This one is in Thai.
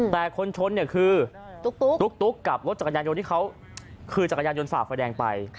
แต่คนชนเนี่ยคือตุ๊กกับรถจักรยานยนต์ที่เขาคือจักรยานยนตฝ่าไฟแดงไป